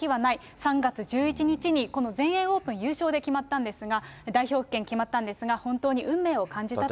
３月１１日にこの全英オープン優勝で決まったんですが、代表権決まったんですが、本当に運命を感じたと。